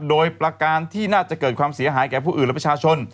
โดยประการที่น่าจะเกิดความเสียหายแก่ผู้อื่นและประชาชน